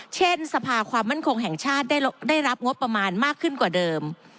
เช่นสภาความมั่นคงแห่งชาติได้รับงบประมาณมากขึ้นกว่าเดิม